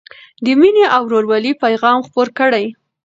د مینې او ورورولۍ پيغام خپور کړئ.